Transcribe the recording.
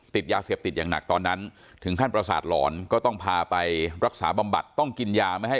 ติดยาเสพติดอย่างหนักตอนนั้นถึงขั้นประสาทหลอนก็ต้องพาไปรักษาบำบัดต้องกินยาไม่ให้